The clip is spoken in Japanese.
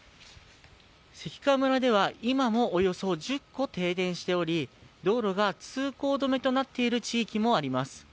関川村では今もおよそ１０戸停電しており道路が通行止めとなっている地域もあります。